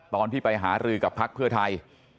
ตอนที่ไปหารือกับพักเพื่อไทย